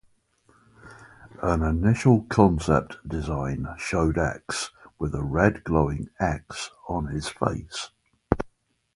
An initial concept design showed X with a red glowing 'X' on his face.